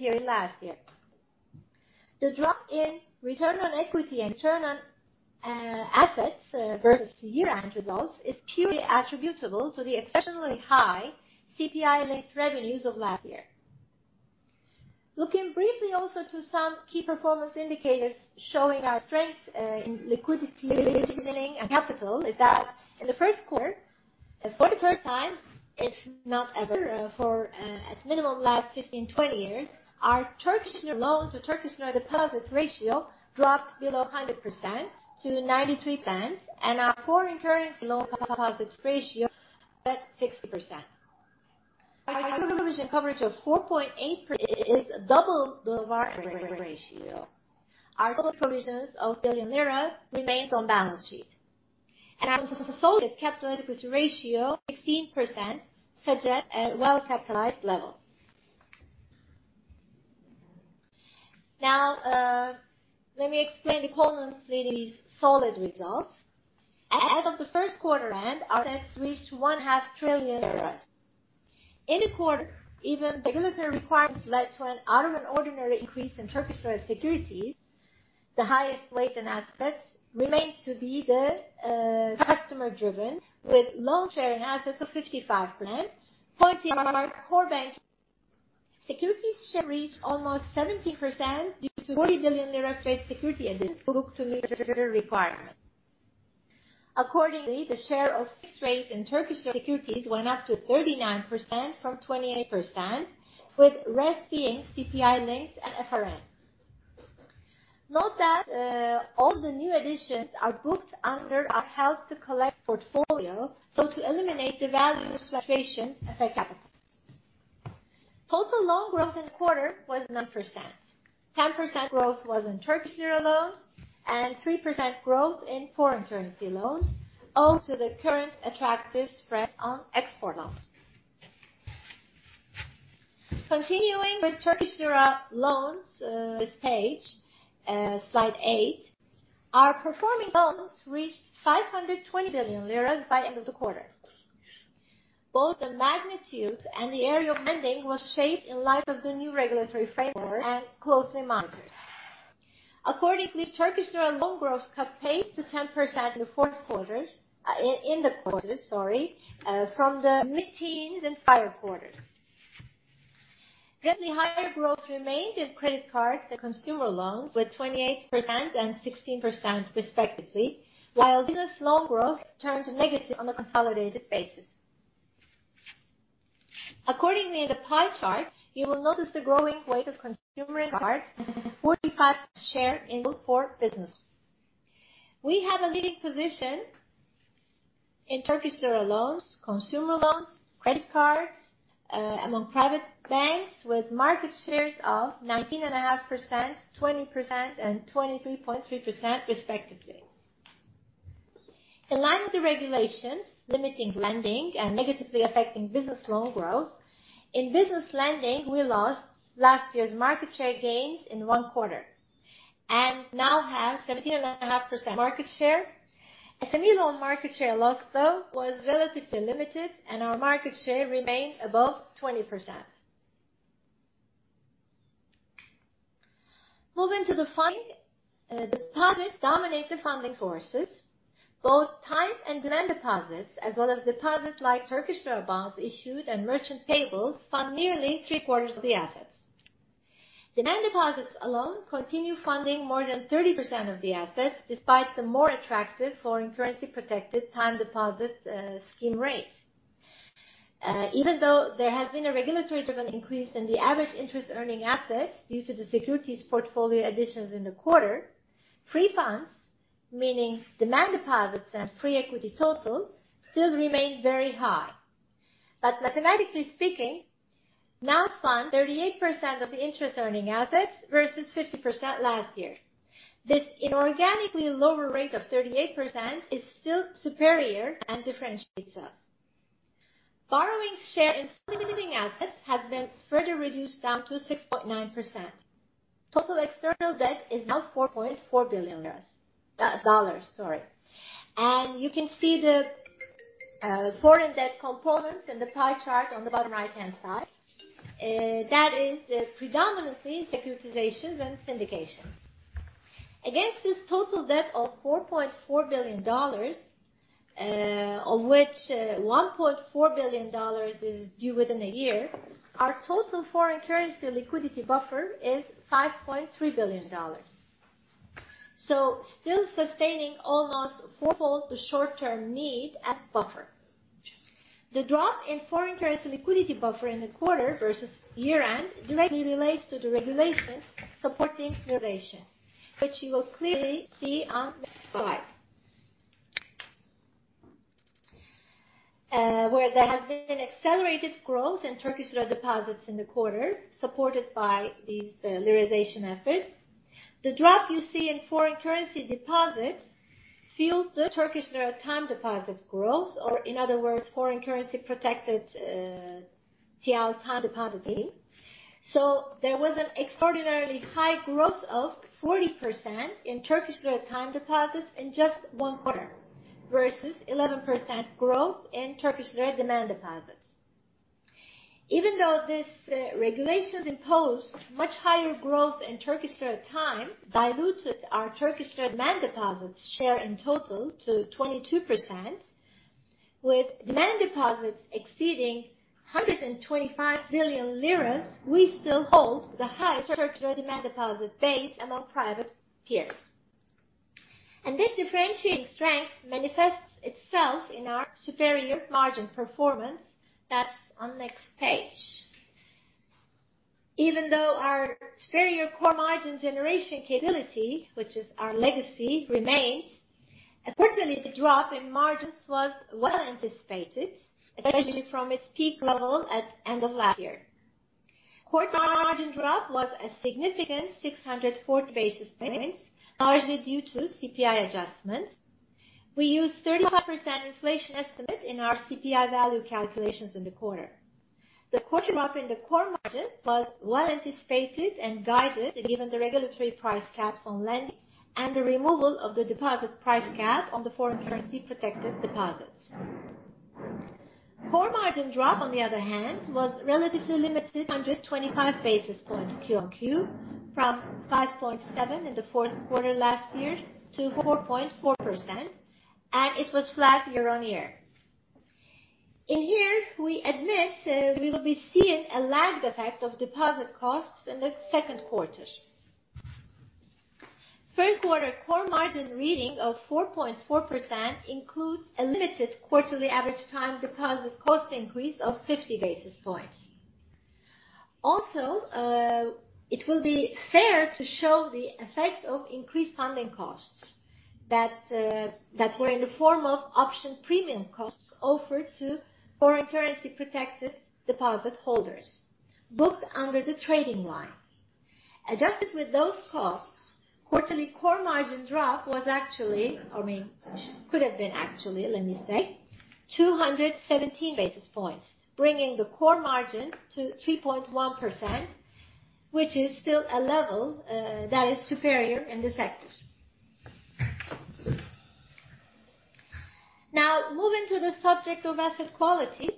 The drop in return on equity and return on assets versus year-end results is purely attributable to the exceptionally high CPI linked revenues of last year. Looking briefly also to some key performance indicators showing our strength in liquidity, positioning and capital is that in the first quarter, and for the first time, if not ever, for at minimum last 15, 20 years, our Turkish lira loan to Turkish lira deposit ratio dropped below 100% to 93% and our foreign currency loan deposit ratio at 60%. Our provision coverage of 4.8% is double the ratio. Our total provisions of 1 billion lira remains on balance sheet. Our capital adequacy ratio 16% suggest a well-capitalized level. Now, let me explain the components leading these solid results. As of the first quarter end, our assets reached one half trillion TRY. In the quarter, even the regulatory requirements led to an out of an ordinary increase in Turkish lira securities. The highest weight in assets remains to be the customer driven, with loan sharing assets of 55%, pointing our core bank. Securities share reached almost 17% due to 40 billion lira trade security additions booked to meet regulatory requirement. Accordingly, the share of fixed rate in Turkish lira securities went up to 39% from 28%, with rest being CPI linked and FRNs. Note that all the new additions are booked under our held-to-collect portfolio, so to eliminate the value fluctuations affect capital. Total loan growth in quarter was 9%. 10% growth was in Turkish lira loans and 3% growth in foreign currency loans, all to the current attractive spread on export loans. Continuing with Turkish lira loans, this page, slide 8, our performing loans reached 520 billion lira by end of the quarter. Both the magnitude and the area of lending was shaped in light of the new regulatory framework and closely monitored. Turkish lira loan growth cut pace to 10% in the fourth quarter, in the quarter, sorry, from the mid-teens in prior quarters. Gently higher growth remained in credit cards and consumer loans with 28% and 16% respectively, while business loan growth turned negative on a consolidated basis. In the pie chart you will notice the growing weight of consumer in part, 45% share in before business. We have a leading position in Turkish lira loans, consumer loans, credit cards, among private banks with market shares of 19 and a half %, 20% and 23.3% respectively. In line with the regulations limiting lending and negatively affecting business loan growth, in business lending, we lost last year's market share gains in 1 quarter and now have 17 and a half % market share. SME loan market share loss, though, was relatively limited and our market share remained above 20%. Moving to the funding. Deposits dominate the funding sources. Both time and demand deposits as well as deposits like Turkish lira bonds issued and merchant payables fund nearly three-quarters of the assets. Demand deposits alone continue funding more than 30% of the assets, despite the more attractive foreign currency protected time deposits scheme rates. Even though there has been a regulatory-driven increase in the average interest earning assets due to the securities portfolio additions in the quarter, free funds, meaning demand deposits and pre-equity total, still remain very high. Mathematically speaking, now fund 38% of the interest earning assets versus 50% last year. This inorganically lower rate of 38% is still superior and differentiates us. Borrowing share in funding assets has been further reduced down to 6.9%. Total external debt is now 4.4 billion liras. Dollars, sorry. You can see the foreign debt component in the pie chart on the bottom right-hand side. That is the predominantly securitizations and syndications. Against this total debt of $4.4 billion, of which $1.4 billion is due within a year, our total foreign currency liquidity buffer is $5.3 billion. Still sustaining almost fourfold the short-term need and buffer. The drop in foreign currency liquidity buffer in the quarter versus year-end directly relates to the regulations supporting liraization, which you will clearly see on this slide. Where there has been accelerated growth in Turkish lira deposits in the quarter, supported by these liraization efforts. The drop you see in foreign currency deposits fueled the Turkish lira time deposit growth, or in other words, foreign currency protected TL time deposit gain. There was an extraordinarily high growth of 40% in Turkish lira time deposits in just 1 quarter. Versus 11% growth in Turkish lira demand deposits. This regulations imposed much higher growth in Turkish lira at time, diluted our Turkish lira demand deposits share in total to 22%. With demand deposits exceeding 125 billion lira, we still hold the highest Turkish lira demand deposit base among private peers. This differentiating strength manifests itself in our superior margin performance. That's on next page. Our superior core margin generation capability, which is our legacy, remains, unfortunately, the drop in margins was well anticipated, especially from its peak level at end of last year. Core margin drop was a significant 640 basis points, largely due to CPI adjustments. We used 35% inflation estimate in our CPI value calculations in the quarter. The quarter drop in the core margin was well anticipated and guided, given the regulatory price caps on lending and the removal of the deposit price cap on the foreign currency protected deposits. Core margin drop, on the other hand, was relatively limited, 125 basis points Q-on-Q, from 5.7% in the fourth quarter last year to 4.4%, and it was flat year-on-year. In here, we admit, we will be seeing a lagged effect of deposit costs in the second quarter. First quarter core margin reading of 4.4% includes a limited quarterly average time deposits cost increase of 50 basis points. Also, it will be fair to show the effect of increased funding costs that were in the form of option premium costs offered to foreign currency protected deposit holders booked under the trading line. Adjusted with those costs, quarterly core margin drop was actually, I mean, could have been actually, let me say, 217 basis points, bringing the core margin to 3.1%, which is still a level that is superior in the sector. Now, moving to the subject of asset quality.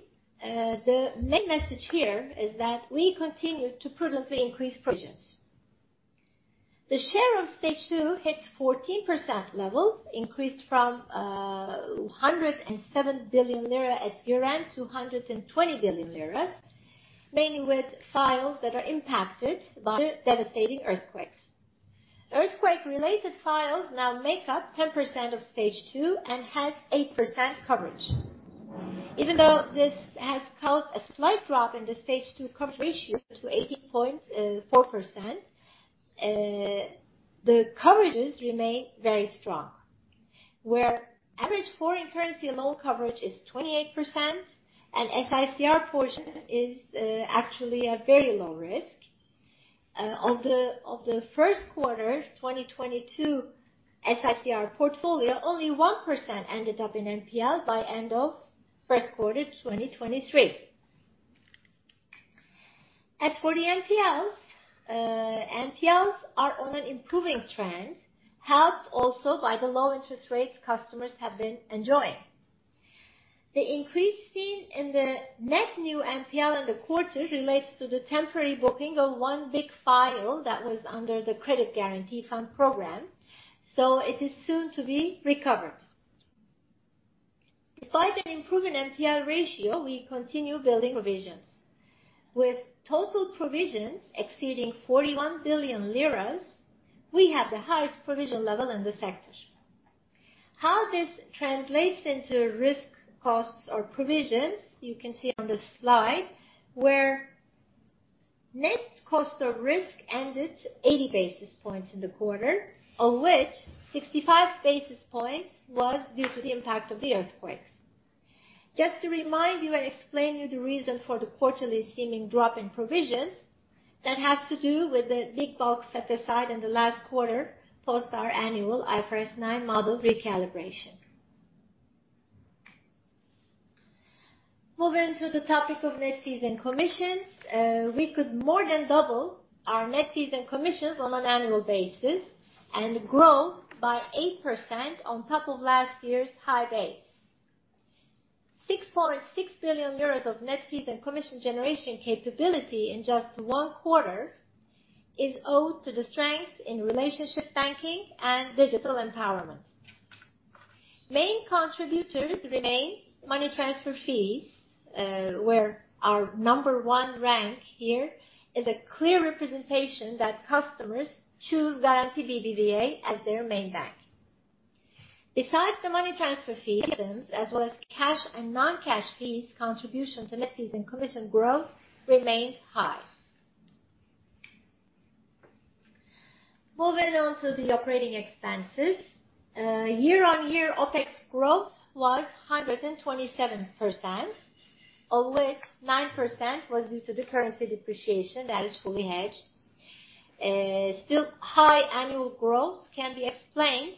The main message here is that we continue to prudently increase provisions. The share of Stage 2 hits 14% level, increased from 107 billion lira at year-end to 120 billion lira, mainly with files that are impacted by the devastating earthquakes. Earthquake-related files now make up 10% of Stage 2 and has 8% coverage. Even though this has caused a slight drop in the Stage 2 coverage ratio to 18.4%, the coverages remain very strong, where average foreign currency loan coverage is 28% and SICR portion is actually a very low risk. Of the first quarter 2022 SICR portfolio, only 1% ended up in NPL by end of first quarter 2023. As for the NPLs are on an improving trend, helped also by the low interest rates customers have been enjoying. The increase seen in the net new NPL in the quarter relates to the temporary booking of one big file that was under the Credit Guarantee Fund program, so it is soon to be recovered. Despite an improving NPL ratio, we continue building provisions. With total provisions exceeding 41 billion lira, we have the highest provision level in the sector. How this translates into risk costs or provisions, you can see on the slide where net cost of risk ended 80 basis points in the quarter, of which 65 basis points was due to the impact of the earthquakes. Just to remind you and explain you the reason for the quarterly seeming drop in provisions, that has to do with the big bulk set aside in the last quarter post our annual IFRS 9 model recalibration. Moving to the topic of net fees and commissions. We could more than double our net fees and commissions on an annual basis and grow by 8% on top of last year's high base. TRY 6.6 billion of net fees and commission generation capability in just 1 quarter is owed to the strength in relationship banking and digital empowerment. Main contributors remain money transfer fees, where our number one rank here is a clear representation that customers choose Garanti BBVA as their main bank. Besides the money transfer fees, as well as cash and non-cash fees, contribution to net fees and commission growth remains high. Moving on to the operating expenses. Year-on-year OpEx growth was 127%, of which 9% was due to the currency depreciation that is fully hedged. Still high annual growth can be explained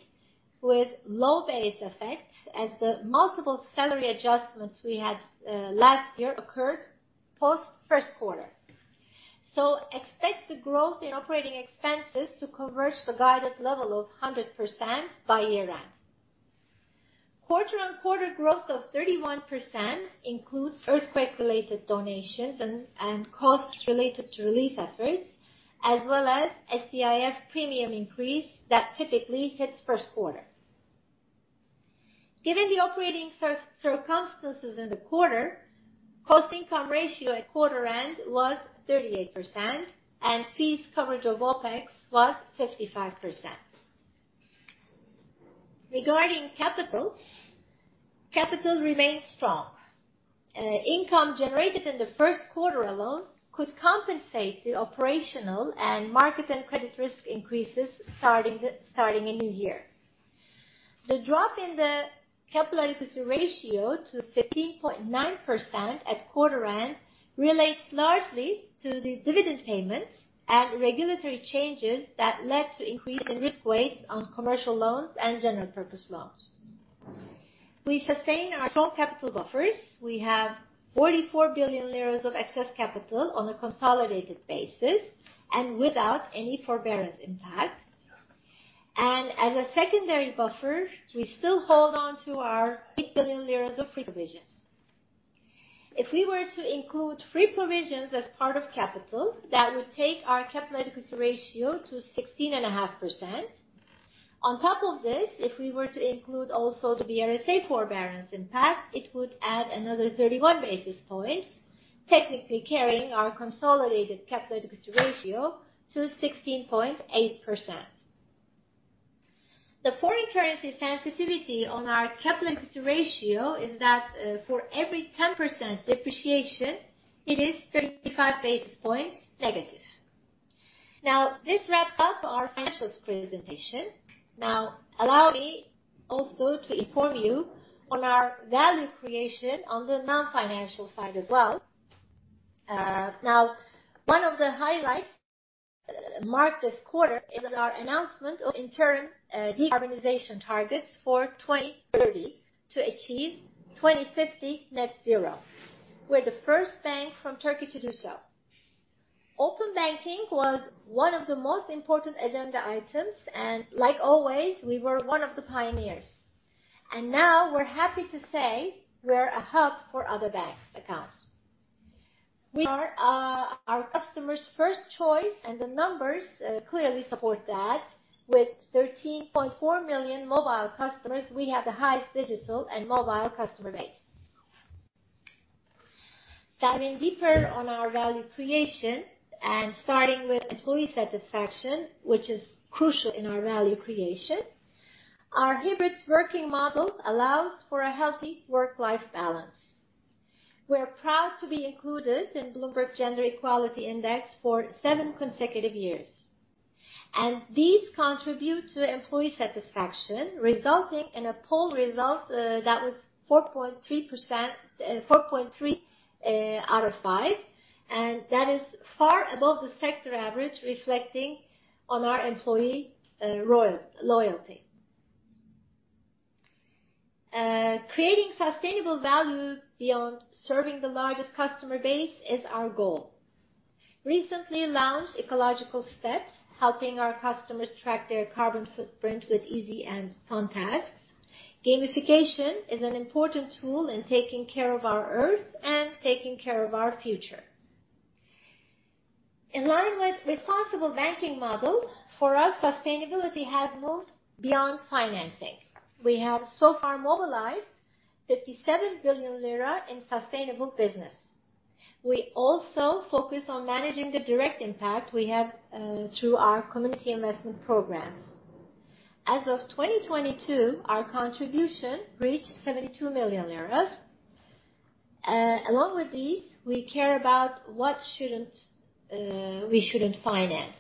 with low base effects as the multiple salary adjustments we had last year occurred post first quarter. Expect the growth in operating expenses to converge the guided level of 100% by year-end. Quarter-on-quarter growth of 31% includes earthquake-related donations and costs related to relief efforts, as well as SDIF premium increase that typically hits first quarter. Given the operating circumstances in the quarter, cost income ratio at quarter end was 38% and fees coverage of OpEx was 55%. Regarding capital remains strong. Income generated in the first quarter alone could compensate the operational and market and credit risk increases starting in New year. The drop in the capital adequacy ratio to 15.9% at quarter end relates largely to the dividend payments and regulatory changes that led to increase in risk weight on commercial loans and general purpose loans. We sustain our strong capital buffers. We have TRY 44 billion of excess capital on a consolidated basis and without any forbearance impact. As a secondary buffer, we still hold on to our 8 billion lira of free provisions. If we were to include free provisions as part of capital, that would take our capital adequacy ratio to 16.5%. On top of this, if we were to include also the BRSA forbearance impact, it would add another 31 basis points, technically carrying our consolidated capital adequacy ratio to 16.8%. The foreign currency sensitivity on our capital adequacy ratio is that for every 10% depreciation it is 35 basis points negative. This wraps up our financials presentation. Allow me also to inform you on our value creation on the non-financial side as well. One of the highlights marked this quarter is in our announcement of interim decarbonization targets for 2030 to achieve 2050 net zero. We're the first bank from Turkey to do so. Open banking was one of the most important agenda items and like always, we were one of the pioneers. Now we're happy to say we're a hub for other banks accounts. We are, our customers first choice and the numbers clearly support that. With 13.4 million mobile customers, we have the highest digital and mobile customer base. Diving deeper on our value creation and starting with employee satisfaction, which is crucial in our value creation. Our hybrid working model allows for a healthy work-life balance. We're proud to be included in Bloomberg Gender-Equality Index for seven consecutive years. These contribute to employee satisfaction, resulting in a poll result that was 4.3 out of 5, and that is far above the sector average reflecting on our employee loyalty. Creating sustainable value beyond serving the largest customer base is our goal. Recently launched Ecological Steps helping our customers track their carbon footprint with easy and fun tasks. Gamification is an important tool in taking care of our earth and taking care of our future. In line with responsible banking model, for us, sustainability has moved beyond financing. We have so far mobilized 57 billion lira in sustainable business. We also focus on managing the direct impact we have through our community investment programs. As of 2022, our contribution reached TRY 72 million. Along with these, we care about what we shouldn't finance.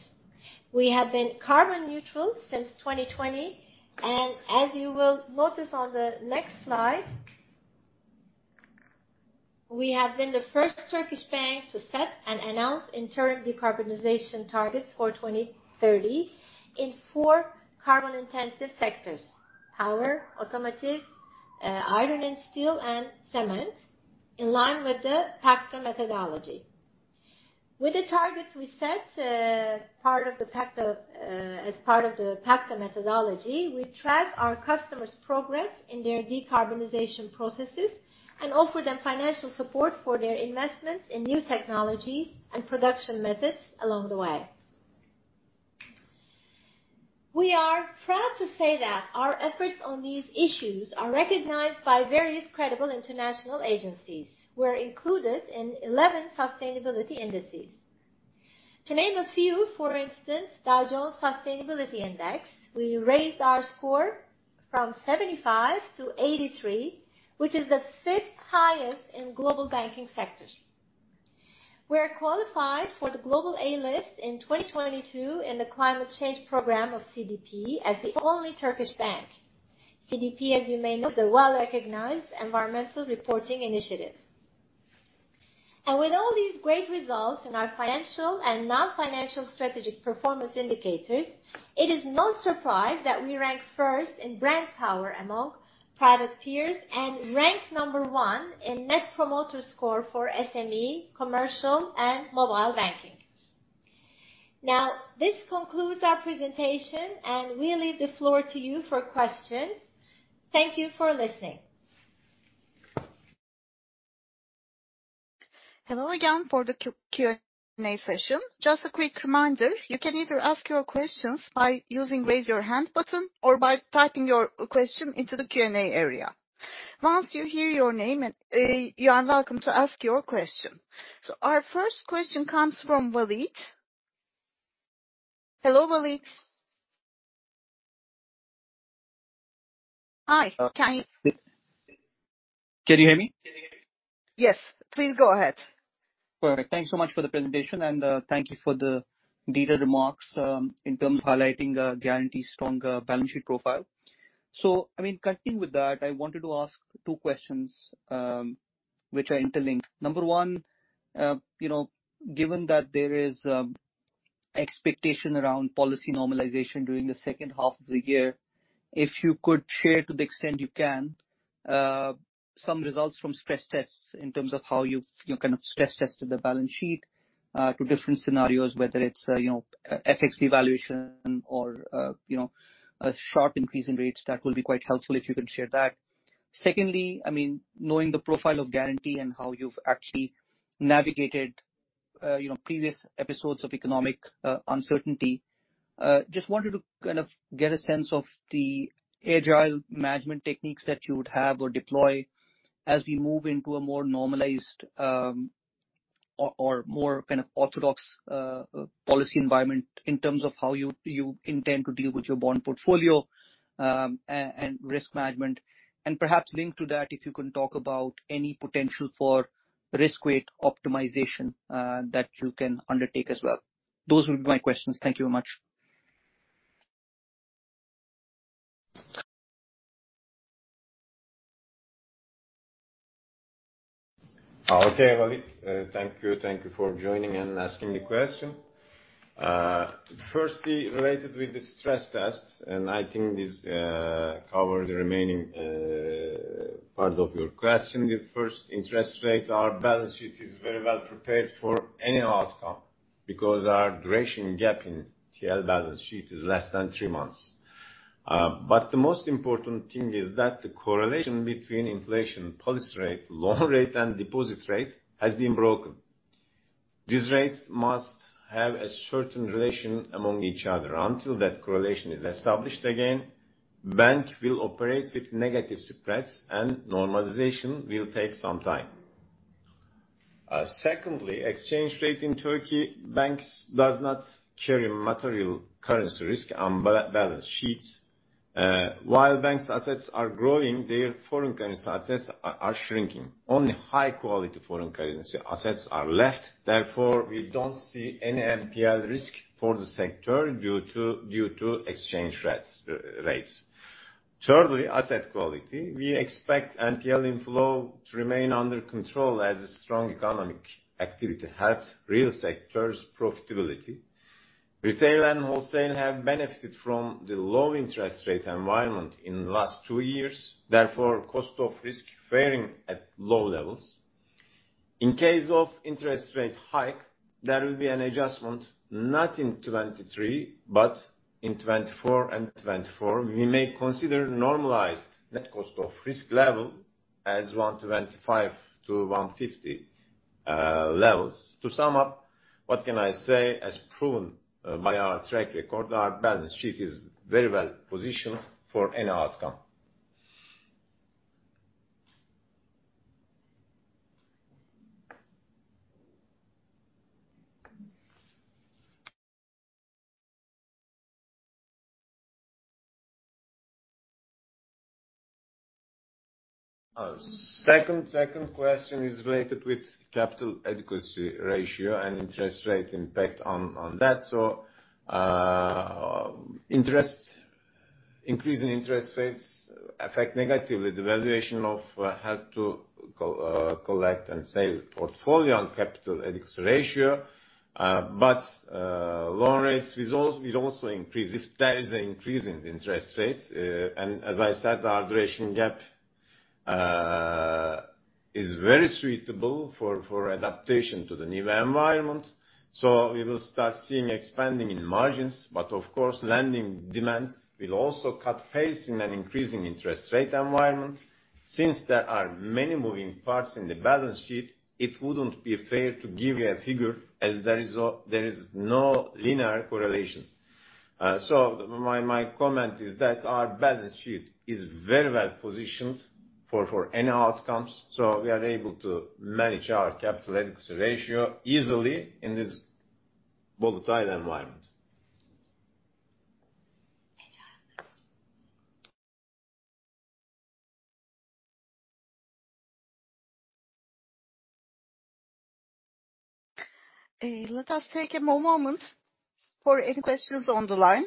We have been carbon neutral since 2020, and as you will notice on the next slide, we have been the first Turkish bank to set and announce interim decarbonization targets for 2030 in 4 carbon-intensive sectors: power, automotive, iron and steel, and cement in line with the PACTA methodology. With the targets we set, part of the PACTA, as part of the PACTA methodology, we track our customers' progress in their decarbonization processes and offer them financial support for their investments in new technologies and production methods along the way. We are proud to say that our efforts on these issues are recognized by various credible international agencies. We're included in 11 sustainability indices. To name a few, for instance, Dow Jones Sustainability Index, we raised our score from 75 to 83, which is the fifth highest in global banking sector. We are qualified for the Global A List in 2022 in the Climate Change program of CDP as the only Turkish bank. CDP, as you may know, is a well-recognized environmental reporting initiative. With all these great results in our financial and non-financial strategic performance indicators, it is no surprise that we rank first in brand power among private peers and rank number one in Net Promoter Score for SME, commercial and mobile banking. Now, this concludes our presentation, and we leave the floor to you for questions. Thank you for listening. Hello again for the Q&A session. Just a quick reminder, you can either ask your questions by using Raise Your Hand button or by typing your question into the Q&A area. Once you hear your name, and you are welcome to ask your question. Our first question comes from Waleed. Hello, Waleed. Hi. Can you hear me? Yes, please go ahead. Perfect. Thank you so much for the presentation, thank you for the detailed remarks in terms of highlighting Garanti's strong balance sheet profile. I mean, continuing with that, I wanted to ask two questions which are interlinked. Number one, you know, given that there is expectation around policy normalization during the second half of the year, if you could share to the extent you can, some results from stress tests in terms of how you've, you know, kind of stress tested the balance sheet to different scenarios, whether it's, you know, FX devaluation or, you know, a sharp increase in rates. That will be quite helpful if you can share that. Secondly, I mean, knowing the profile of Garanti's and how you've actually navigated, you know, previous episodes of economic uncertainty, just wanted to kind of get a sense of the agile management techniques that you would have or deploy as we move into a more normalized or more kind of orthodox policy environment in terms of how you intend to deal with your bond portfolio and risk management. Perhaps linked to that, if you can talk about any potential for risk weight optimization that you can undertake as well. Those would be my questions. Thank you very much. Okay, Waleed. Thank you. Thank you for joining and asking the question. Firstly, related with the stress tests, and I think this cover the remaining part of your question. The first, interest rates. Our balance sheet is very well prepared for any outcome because our duration gap in TL balance sheet is less than three months. The most important thing is that the correlation between inflation, policy rate, loan rate, and deposit rate has been broken. These rates must have a certain relation among each other. Until that correlation is established again, bank will operate with negative spreads and normalization will take some time. Secondly, exchange rate in Turkey, banks does not carry material currency risk on balance sheets. While banks assets are growing, their foreign currency assets are shrinking. Only high quality foreign currency assets are left. Therefore, we don't see any NPL risk for the sector due to exchange rates. Thirdly, asset quality. We expect NPL inflow to remain under control as strong economic activity helps real sector's profitability. Retail and wholesale have benefited from the low interest rate environment in the last two years, therefore, cost of risk fairing at low levels. In case of interest rate hike, there will be an adjustment not in 2023, but in 2024. 2024, we may consider normalized net cost of risk level as 125-150 levels. To sum up, what can I say? As proven by our track record, our balance sheet is very well-positioned for any outcome. Second question is related with capital adequacy ratio and interest rate impact on that. interest. Increasing interest rates affect negatively the valuation of hold to collect and sell portfolio on capital adequacy ratio. Loan rates will also increase if there is an increase in interest rates. As I said, our duration gap is very suitable for adaptation to the new environment. We will start seeing expanding in margins. Of course, lending demand will also cut pace in an increasing interest rate environment. Since there are many moving parts in the balance sheet, it wouldn't be fair to give you a figure as there is no linear correlation. My comment is that our balance sheet is very well-positioned for any outcomes, so we are able to manage our capital adequacy ratio easily in this volatile environment. Let us take a more moment for any questions on the line.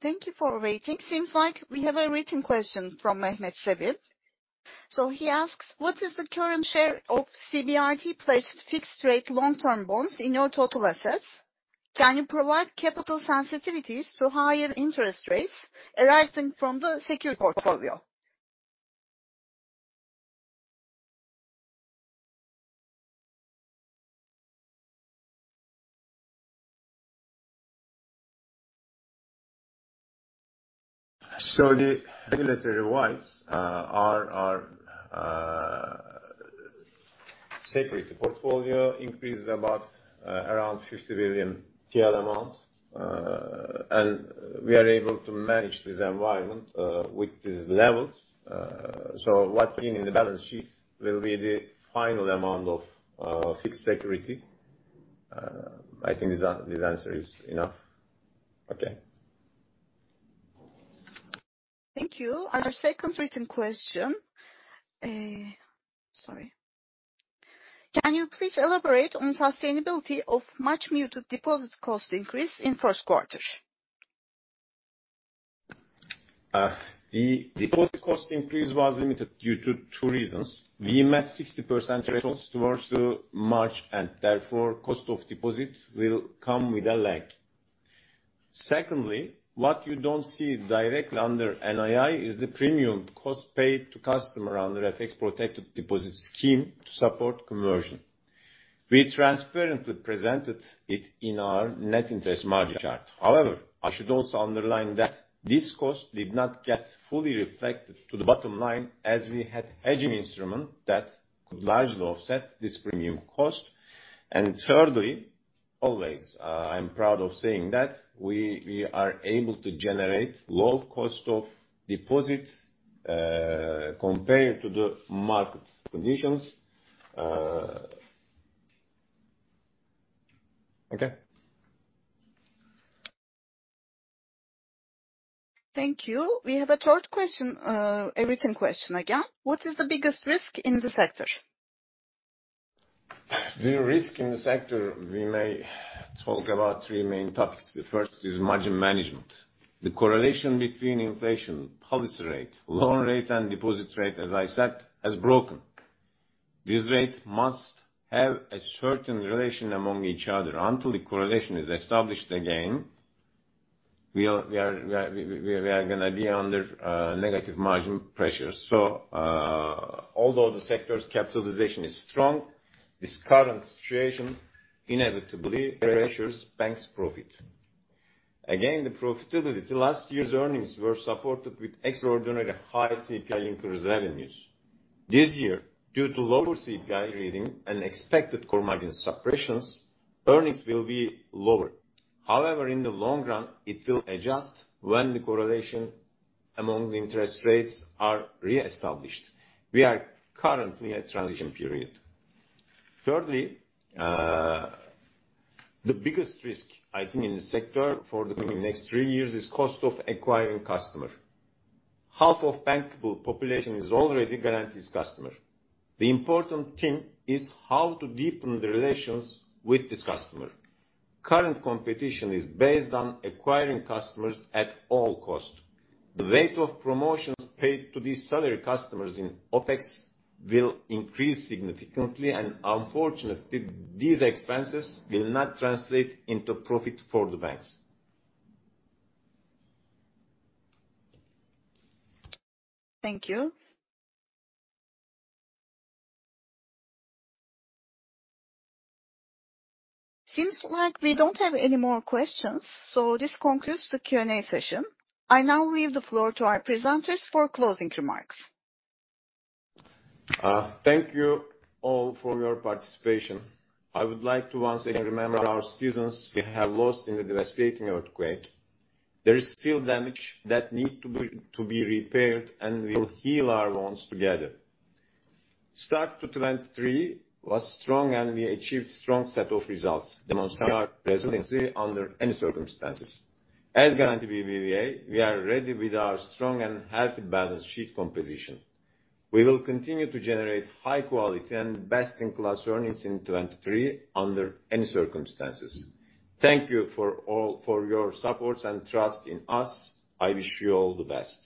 Thank you for waiting. Seems like we have a written question from Mehmet Sebil. He asks, what is the current share of CBRT-placed fixed-rate long-term bonds in your total assets? Can you provide capital sensitivities to higher interest rates arising from the security portfolio? The regulatory-wise, our security portfolio increased about, around TL 50 billion amount. We are able to manage this environment, with these levels. What's in the balance sheets will be the final amount of fixed security. I think this answer is enough. Okay. Thank you. Our second written question. Sorry. Can you please elaborate on sustainability of much muted deposit cost increase in first quarter? The deposit cost increase was limited due to two reasons. We met 60% thresholds towards March, and therefore, cost of deposits will come with a lag. Secondly, what you don't see directly under NII is the premium cost paid to customer under FX-protected deposit scheme to support conversion. We transparently presented it in our net interest margin chart. However, I should also underline that this cost did not get fully reflected to the bottom line as we had hedging instrument that could largely offset this premium cost. Thirdly, always, I'm proud of saying that we are able to generate low cost of deposits, compared to the market conditions. Okay. Thank you. We have a third question. A written question again. What is the biggest risk in the sector? The risk in the sector, we may talk about three main topics. The first is margin management. The correlation between inflation, policy rate, loan rate, and deposit rate, as I said, has broken. These rates must have a certain relation among each other. Until the correlation is established again, we are gonna be under negative margin pressures. Although the sector's capitalization is strong, this current situation inevitably pressures bank's profit. Again, the profitability. Last year's earnings were supported with extraordinary high CPI increase revenues. This year, due to lower CPI reading and expected core margin suppressions, earnings will be lower. However, in the long run, it will adjust when the correlation among the interest rates are reestablished. We are currently at transition period. Thirdly, the biggest risk, I think, in the sector for the next three years is cost of acquiring customer. Half of bankable population is already Garanti's customer. The important thing is how to deepen the relations with this customer. Current competition is based on acquiring customers at all cost. The rate of promotions paid to these salary customers in OpEx will increase significantly. Unfortunately, these expenses will not translate into profit for the banks. Thank you. Seems like we don't have any more questions. This concludes the Q&A session. I now leave the floor to our presenters for closing remarks. Thank you all for your participation. I would like to once again remember our citizens we have lost in the devastating earthquake. There is still damage that need to be repaired, and we'll heal our wounds together. Start to 2023 was strong, and we achieved strong set of results, demonstrating our resiliency under any circumstances. As Garanti BBVA, we are ready with our strong and healthy balance sheet composition. We will continue to generate high quality and best-in-class earnings in 2023 under any circumstances. Thank you for all, for your supports and trust in us. I wish you all the best.